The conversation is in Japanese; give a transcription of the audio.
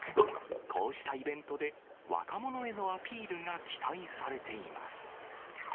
こうしたイベントで、若者へのアピールが期待されています。